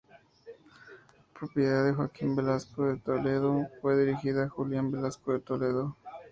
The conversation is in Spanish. Propiedad de Joaquín Velasco de Toledo, fue dirigida Julián Velasco de Toledo.